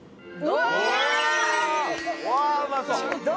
うわうまそう！